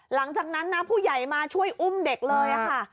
หลังจากนั้นนะผู้ใหญ่มาช่วยอุ้มเด็กเลยค่ะ